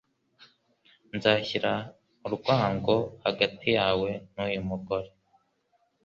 Nzashyira urwango hagati yawe n'uyu mugore